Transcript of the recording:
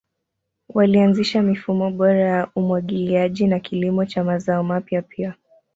Walianzisha mifumo bora ya umwagiliaji na kilimo cha mazao mapya pia.